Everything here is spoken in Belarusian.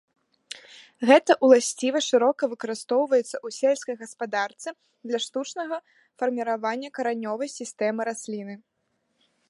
Гэта ўласцівасць шырока выкарыстоўваецца ў сельскай гаспадарцы для штучнага фарміравання каранёвай сістэмы расліны.